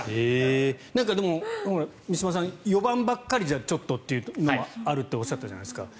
でも、満島さん４番ばかりじゃちょっとというのがあるとおっしゃったじゃないですか。